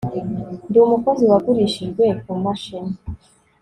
Ndi umukozi wagurishijwe kumashini